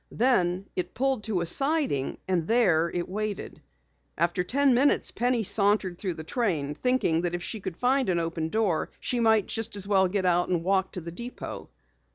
Then it pulled to a siding and there it waited. After ten minutes Penny sauntered through the train, thinking that if she could find an open door, she might get out and walk to the depot.